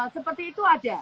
seperti itu ada